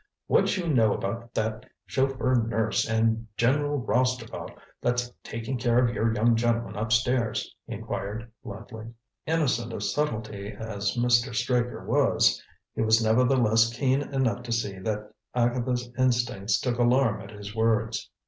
"What d'you know about that chauffeur nurse and general roustabout that's taking care of your young gentleman up stairs?" he inquired bluntly. Innocent of subtlety as Mr. Straker was, he was nevertheless keen enough to see that Agatha's instincts took alarm at his words.